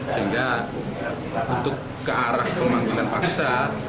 sehingga untuk ke arah pemanggilan paksa